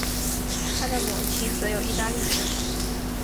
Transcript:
他的母亲则有意大利血统。